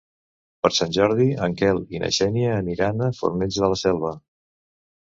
Per Sant Jordi en Quel i na Xènia aniran a Fornells de la Selva.